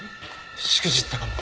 しくじったかも。